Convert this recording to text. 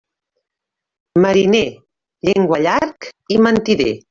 Mariner, llenguallarg i mentider.